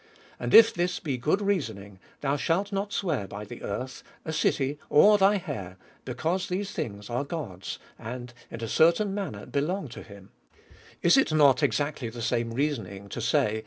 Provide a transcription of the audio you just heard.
And if this be good reasoning, thou shalt not swear by the earth, a city, or thy hair, because these things are God's, and in a certain manner belong to him ; is it not ex actly the same reasoning to say.